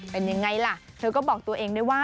เป็นยังไงล่ะเธอก็บอกตัวเองด้วยว่า